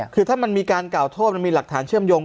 คือถ้ามันมีการกล่าวโทษมันมีหลักฐานเชื่อมโยง